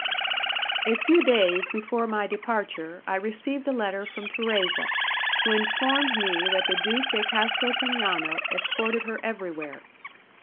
A few days before my departure, I received a letter from Thérèse, who informed me that the Duke de Castropignano escorted her everywhere.